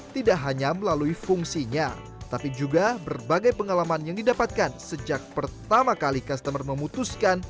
tidak hanya melalui fungsinya tapi juga berbagai pengalaman yang didapatkan sejak pertama kali customer memutuskan